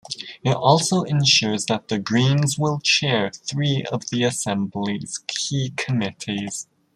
It also ensures that the Greens will Chair three of the Assembly's key committees.